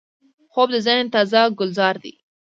خوب د ذهن تازه ګلزار دی